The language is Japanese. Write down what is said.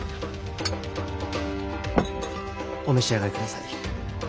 お召し上がり下さい。